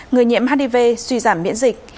người nhiễm hdv suy giảm miễn dịch